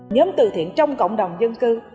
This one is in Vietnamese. nhóm từ thiện trong cộng đồng dân cư